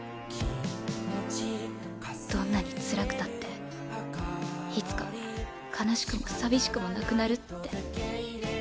どんなにつらくたっていつか悲しくも寂しくもなくなるって。